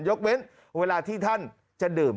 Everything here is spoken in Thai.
ยกเว้นเวลาที่ท่านจะดื่ม